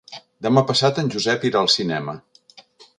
Demà passat en Josep irà al cinema.